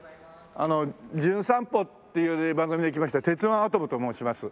『じゅん散歩』っていう番組で来ました鉄腕アトムと申します。